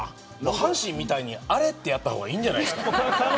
阪神みたいにアレってやった方がいいんじゃないですか。